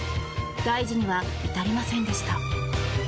大事には至りませんでした。